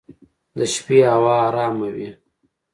د شپې هوا ارامه وي.